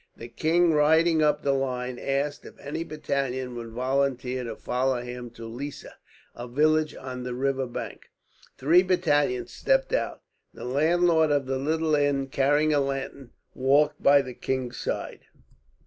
The king, riding up the line, asked if any battalion would volunteer to follow him to Lissa, a village on the river bank. Three battalions stepped out. The landlord of the little inn, carrying a lantern, walked by the king's side.